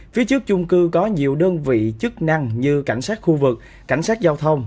phía trước chung cư có nhiều đơn vị chức năng như cảnh sát khu vực cảnh sát giao thông